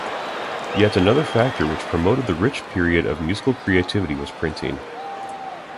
Yet another factor which promoted the rich period of musical creativity was printing.